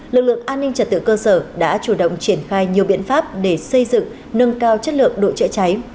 lực lượng an ninh trật tự cơ sở đã chủ động triển khai nhiều biện pháp để xây dựng nâng cao chất lượng đội chữa cháy